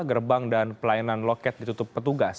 gerbang dan pelayanan loket ditutup petugas